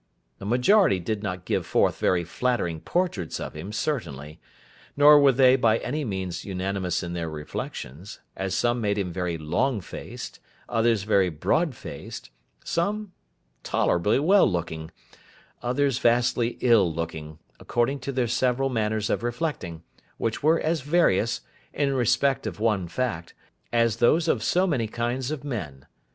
The majority did not give forth very flattering portraits of him, certainly; nor were they by any means unanimous in their reflections; as some made him very long faced, others very broad faced, some tolerably well looking, others vastly ill looking, according to their several manners of reflecting: which were as various, in respect of one fact, as those of so many kinds of men.